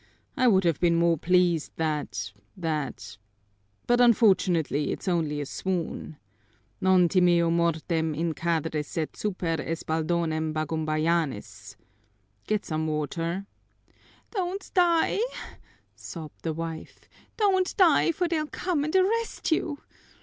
I would have been more pleased that that but unfortunately it's only a swoon. Non timeo mortem in catre sed super espaldonem Bagumbayanis. Get some water!" "Don't die!" sobbed the wife. "Don't die, for they'll come and arrest you!